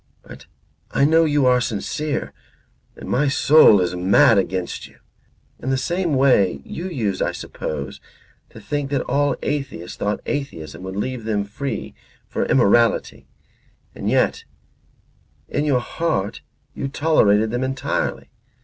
But I know you are sincere and my soul is mad against you. In the same way you used, I suppose, to think that all atheists thought atheism would leave them free for immorality and yet in your heart you tolerated them entirely.